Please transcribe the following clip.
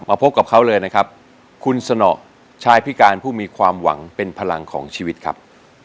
พบกับเขาเลยนะครับคุณสนอชายพิการผู้มีความหวังเป็นพลังของชีวิตครับ